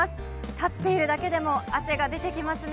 立っているだけでも、汗が出てきますね。